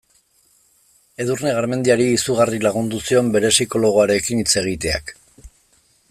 Edurne Garmendiari izugarri lagundu zion bere psikologoarekin hitz egiteak.